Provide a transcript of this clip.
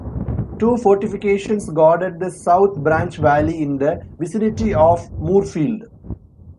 Two fortifications guarded the South Branch Valley in the vicinity of Moorefield.